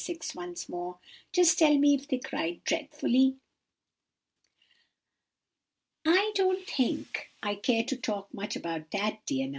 6, once more. "Just tell me if they cried dreadfully." "I don't think I care to talk much about that, dear No.